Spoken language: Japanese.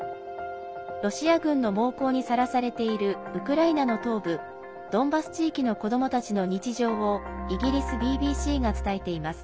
ロシア軍の猛攻にさらされているウクライナの東部ドンバス地域の子どもたちの日常をイギリスＢＢＣが伝えています。